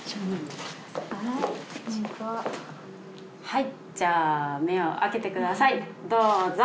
はいじゃあ目を開けてくださいどうぞ！